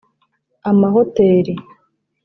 amahoteli